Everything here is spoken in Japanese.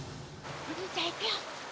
お兄ちゃんいくよ。